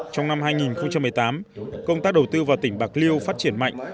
trong năm hai nghìn một mươi tám công tác đầu tư vào tỉnh bạc liêu phát triển mạnh